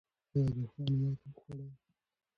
آیا دښمن ماته وخوړه؟